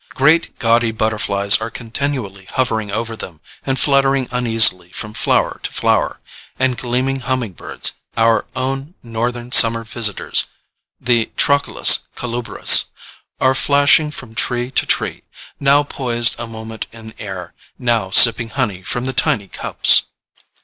Great gaudy butterflies are continually hovering over them and fluttering uneasily from flower to flower, and gleaming humming birds, our own Northern summer visitors (the Trochilus colubris), are flashing from tree to tree, now poised a moment in air, now sipping honey from the tiny cups.